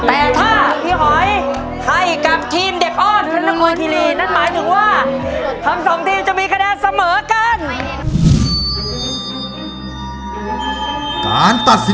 แต่ถ้าพี่หอยให้กับทีมเด็กอ้อมพระนครคีวี